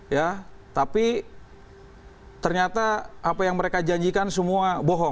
ya tapi ternyata apa yang mereka janjikan semua bohong